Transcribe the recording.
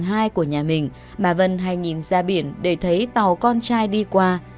trong bàn công tầng hai của nhà mình bà vân hay nhìn ra biển để thấy tàu con trai đi qua